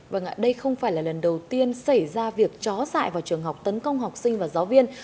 vâng ạ đây không phải là lần đầu tiên xảy ra việc chó dại vào trường học tấn công học sinh và giáo viên